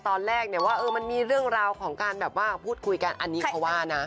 ตอนแรกเนี่ยว่ามันมีเรื่องราวของการแบบว่าพูดคุยกันอันนี้เขาว่านะ